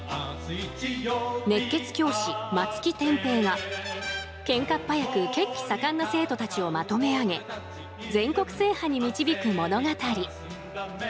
熱血教師・松木天平がけんかっ早く血気盛んな生徒たちをまとめ上げ全国制覇に導く物語。